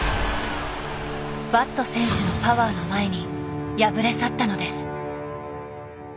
バット選手のパワーの前に敗れ去ったのです。